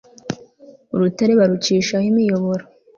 urutare barucishaho imiyoboro